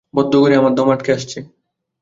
বদ্ধ ঘরে আমার দম আটকে আসছে।